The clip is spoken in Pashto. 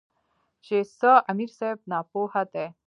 چې ځه امیر صېب ناپوهَ دے ـ